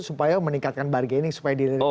supaya meningkatkan bargaining supaya dirinya